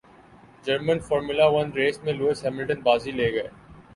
German formula one race میں Lewis Hamilton بازی لے گئے